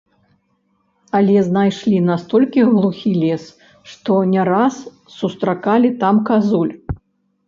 Але знайшлі настолькі глухі лес, што не раз сустракалі там казуль.